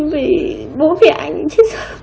vì bố mẹ anh ấy chết sớm